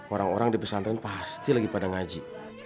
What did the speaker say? orang orang di pesantren pasti lagi pada ngaji